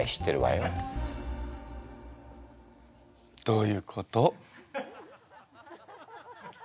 どういうこと？